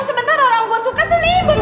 sebentar orang gue suka senipis